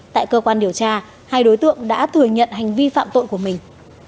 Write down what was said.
tại cơ quan điều tra hai đối tượng đã thừa nhận hành vi phạm tội của mình